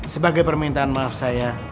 sebagai permintaan maaf saya